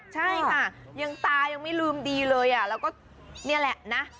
ใช่ค่ะยังตายังไม่ลืมดีเลยแล้วก็นี่แหละนะ